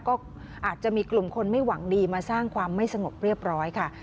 ก็อาจจะมีกลุ่มคนไม่หวังดีมาสร้างความไม่สงบเรียบร้อยค่ะ